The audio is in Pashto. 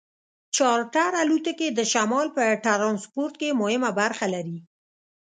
چارټر الوتکې د شمال په ټرانسپورټ کې مهمه برخه لري